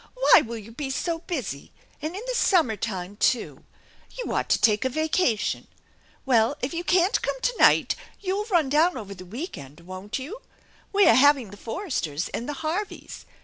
" Why will you be so busy ! and in the summer time, too ! You ought to take a vacation ! Well, if you can't come to night, you'll run down over the week end, won't you? We are having the Foresters and the Harvey3.